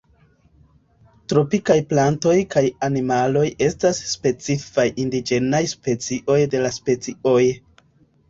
Tropikaj plantoj kaj animaloj estas specifaj indiĝenaj specioj de la specioj.